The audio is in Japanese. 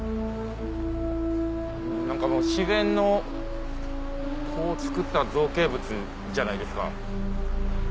何かもう自然の作った造形物じゃないですか。